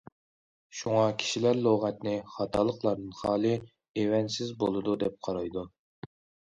شۇڭا، كىشىلەر لۇغەتنى‹‹ خاتالىقلاردىن خالىي، ئېۋەنسىز›› بولىدۇ دەپ قارايدۇ.